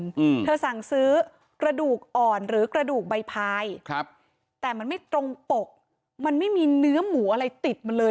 อืมเธอสั่งซื้อกระดูกอ่อนหรือกระดูกใบพายครับแต่มันไม่ตรงปกมันไม่มีเนื้อหมูอะไรติดมันเลย